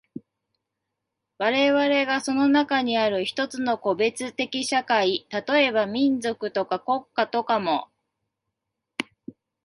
我々がその中にある一つの個別的社会、例えば民族とか国家とかも、